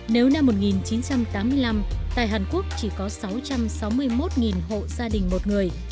nếu năm một nghìn chín trăm tám mươi năm tại hàn quốc chỉ có sáu trăm sáu mươi một hộ gia đình một người